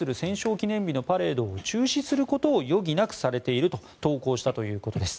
記念日のパレードを中止することを余儀なくされていると投稿したということです。